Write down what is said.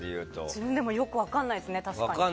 自分でもよく分からないですね。